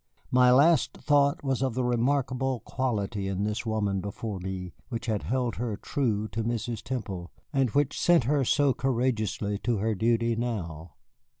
My last thought was of the remarkable quality in this woman before me which had held her true to Mrs. Temple, and which sent her so courageously to her duty now.